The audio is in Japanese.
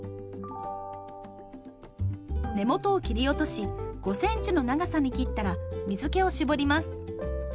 根元を切り落とし５センチの長さに切ったら水けを絞ります。